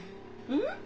うん？